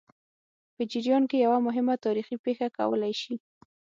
په جریان کې یوه مهمه تاریخي پېښه کولای شي.